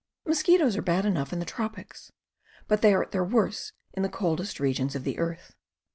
Mosquitoes are bad enough in the tropics, but they are at their worst in the coldest regions of the earth.